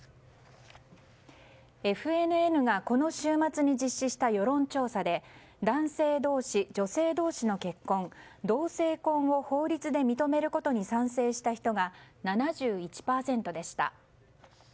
ＦＮＮがこの週末に実施した世論調査で男性同士、女性同士の結婚同性婚を法律で認めることに賛成した人が７１％でした。